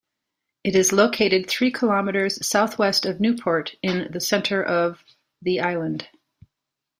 It is located three kilometres southwest of Newport in the centre of the Island.